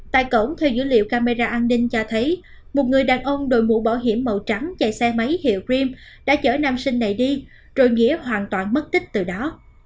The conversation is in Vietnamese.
tại cổng theo dữ liệu camera an ninh cho thấy một người đàn ông đội mũ bảo hiểm màu trắng chạy xe máy hiệu gream đã chở nam sinh này đi rồi nghĩa hoàn toàn mất tích từ đó